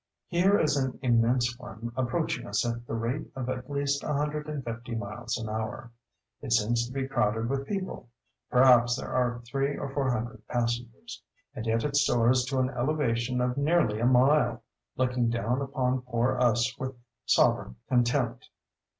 Here is an immense one approaching us at the rate of at least a hundred and fifty miles an hour. It seems to be crowded with people—perhaps there are three or four hundred passengers—and yet it soars to an elevation of nearly a mile, looking down upon poor us with sovereign contempt.